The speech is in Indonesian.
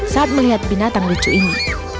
saat melihat binatang lucu ini